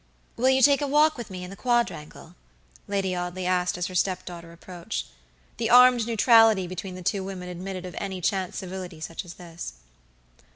"Will you take a walk with me in the quadrangle?" Lady Audley asked as her step daughter approached. The armed neutrality between the two women admitted of any chance civility such as this.